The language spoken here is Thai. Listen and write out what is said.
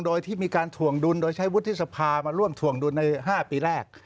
โดยที่มีการถ่วงดุลโดยใช้วุฒิสภามาร่วมถวงดุลใน๕ปีแรก